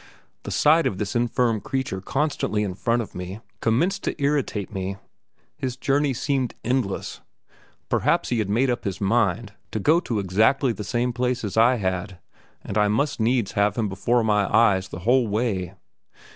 The sight of this infirm creature constantly in front of me, commenced to irritate me his journey seemed endless; perhaps he had made up his mind to go to exactly the same place as I had, and I must needs have him before my eyes the whole way.